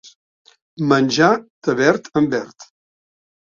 Menjar de verd en verd.